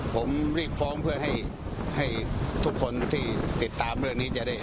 ผมรีบฟ้องเพื่อให้ทุกคนที่ติดตามเรื่องนี้จะได้